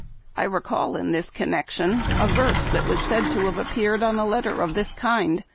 I recall in this connec tion a verse that was said to have appeared on a letter of this kind.